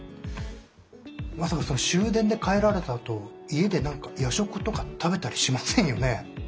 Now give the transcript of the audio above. まさか終電で帰られたあと家で何か夜食とか食べたりしませんよね？